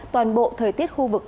toàn bộ thời tiết khu vực